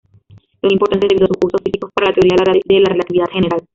Son importantes debido a sus usos físicos para la teoría de la relatividad general.